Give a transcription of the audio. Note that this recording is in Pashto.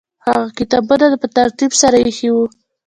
هغه کتابونه په ترتیب سره ایښي وو.